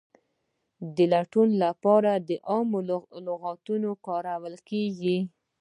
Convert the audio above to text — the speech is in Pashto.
د لټون لپاره عام لغتونه کارول کیږي.